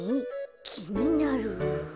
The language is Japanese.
きになる。